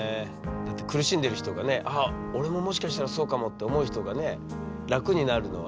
だって苦しんでる人がね「あっ俺ももしかしたらそうかも」って思う人がね楽になるのはね。